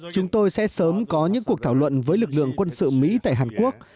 chúng tôi sẽ sớm có những cuộc thảo luận với lực lượng quân sự mỹ tại hàn quốc